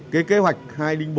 cái kế hoạch hai trăm linh bốn